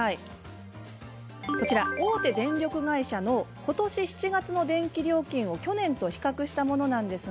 大手電力会社のことし７月の電気料金を去年と比較したものです。